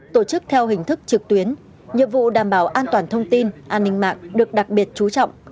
tổ chức theo hình thức trực tuyến nhiệm vụ đảm bảo an toàn thông tin an ninh mạng được đặc biệt chú trọng